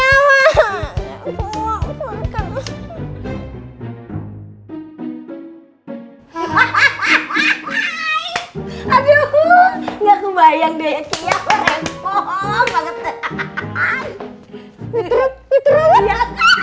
aduh nggak kebayang deh kiawet hoho banget